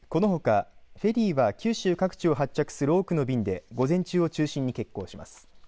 このほか、フェリーは九州各地を発着する多くの便で午前中を中心に欠航します。